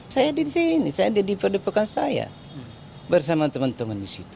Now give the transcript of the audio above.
saya di sini saya ada di padepokan saya bersama teman teman di situ